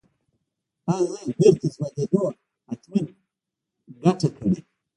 اها بېرته ځوانېدو حتمن ګته کړې.